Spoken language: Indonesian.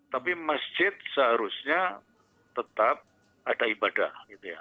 tapi masjid seharusnya tetap ada ibadah